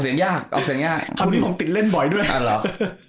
เสียงยากเอาเสียงยากคำนี้ผมติดเล่นบ่อยด้วยนะครับ